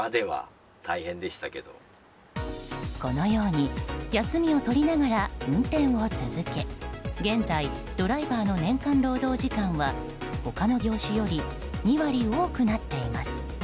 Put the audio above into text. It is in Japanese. このように休みをとりながら運転を続け現在、ドライバーの年間労働時間は他の業種より２割多くなっています。